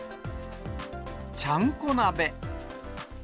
ちゃんこ鍋。